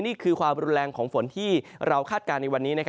นี่คือความรุนแรงของฝนที่เราคาดการณ์ในวันนี้